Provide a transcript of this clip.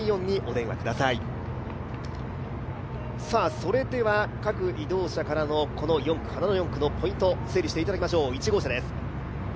それでは各移動車からの花の４区のポイントを整理していただきましょう。